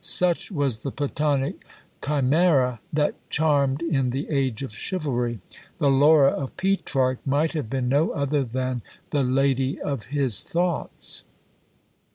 Such was the Platonic chimera that charmed in the age of chivalry; the Laura of Petrarch might have been no other than "the lady of his thoughts."